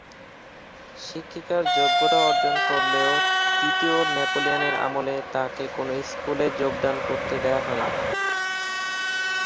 শিক্ষিকার যোগ্যতা অর্জন করলেও তৃতীয় নেপোলিয়নের আমলে তাকে কোনো স্কুলে যোগদান করতে দেওয়া হয়নি।